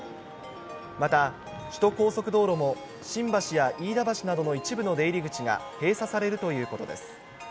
また首都高速道路も、新橋や飯田橋などの一部の出入り口が閉鎖されるということです。